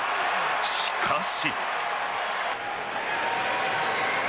しかし。